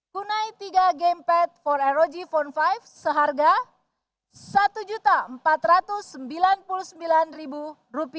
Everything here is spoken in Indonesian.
kunai tiga game pad empat rog phone lima seharga rp satu empat ratus sembilan puluh sembilan